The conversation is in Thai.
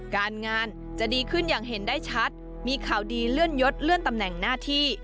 การงานจะดีขึ้นอย่างเห็นได้ชัดมีข่าวดีเลื่อนยศเลื่อนตำแหน่งหน้าที่